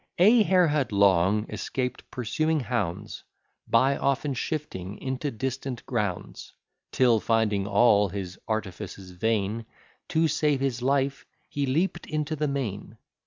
A hare had long escaped pursuing hounds, By often shifting into distant grounds; Till, finding all his artifices vain, To save his life he leap'd into the main.